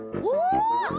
お！